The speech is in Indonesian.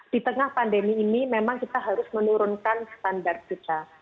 di tengah pandemi ini memang kita harus menurunkan standar kita